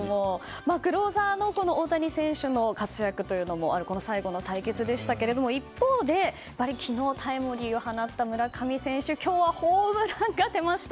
クローザーの大谷選手の活躍というのも最後の対決でしたけれども一方で、昨日タイムリーを放った村上選手は今日はホームランが出ました。